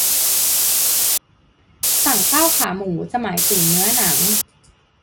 สั่งข้าวขาหมูจะหมายถึงเนื้อหนัง